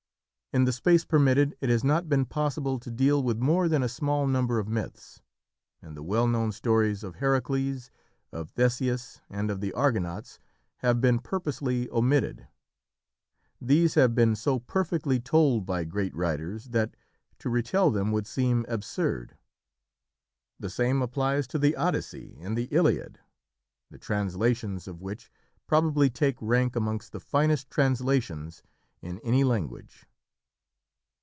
In the space permitted, it has not been possible to deal with more than a small number of myths, and the well known stories of Herakles, of Theseus, and of the Argonauts have been purposely omitted. These have been so perfectly told by great writers that to retell them would seem absurd. The same applies to the Odyssey and the Iliad, the translations of which probably take rank amongst the finest translations in any language.